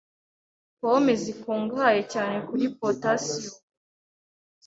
Pome zikungahaye cyane kuri potasiyumu,